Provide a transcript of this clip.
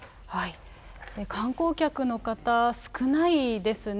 観光客の方、少ないですね。